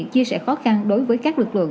chia sẻ khó khăn đối với các lực lượng